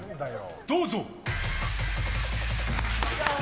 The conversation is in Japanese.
どうぞ！